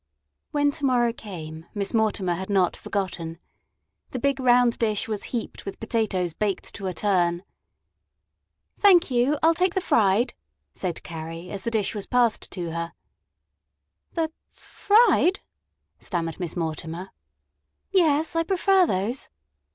When "to morrow" came Miss Mortimer had not forgotten. The big round dish was heaped with potatoes baked to a turn. "Thank you, I'll take the fried," said Carrie, as the dish was passed to her. "The f fried?" stammered Miss Mortimer. "Yes; I prefer those."